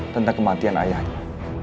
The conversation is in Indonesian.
tentang kematian ayahnya